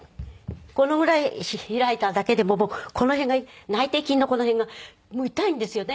このぐらい開いただけでもこの辺が内転筋のこの辺が痛いんですよね。